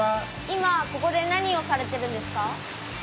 今ここで何をされてるんですか？